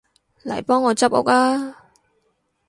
嚟幫我執屋吖